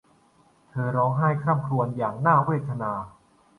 เธอร้องไห้คร่ำครวญอย่างน่าเวทนา